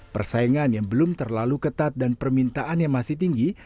persaingan yang belum terlalu ketat dan permintaan yang masih tinggi